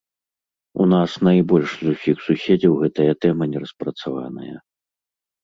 У нас найбольш з усіх суседзяў гэтая тэма не распрацаваная.